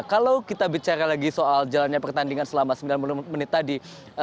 kalau kita bicara lagi soal jalannya pertandingan selama sembilan puluh menit tadi